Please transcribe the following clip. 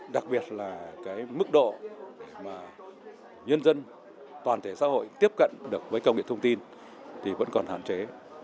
đặc biệt là mức độ nhân dân toàn thể xã hội tiếp cận được với công nghệ thông tin vẫn còn hạn chế